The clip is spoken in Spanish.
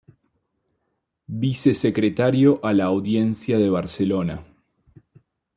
Vicesecretario a la Audiencia de Barcelona.